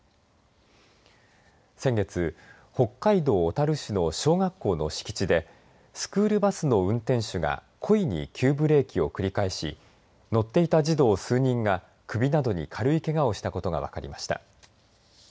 先月、北海道小樽市の小学校の敷地でスクールバスの運転手が故意に急ブレーキを繰り返し乗っていた児童数人が首などに軽いけがをしたことが分かりました。